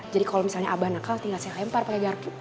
jadi kalo misalnya abah nakal tinggal saya lempar pake garpu